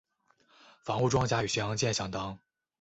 防护装甲与巡洋舰相当。